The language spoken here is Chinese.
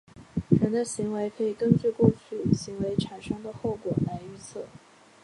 人的行为可以根据过去行为产生的后果来预测。